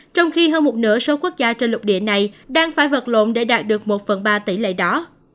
trong khi hơn một nửa số quốc gia trên lục địa này đang phải vật lộn để đạt được một phần ba tỷ lệ đó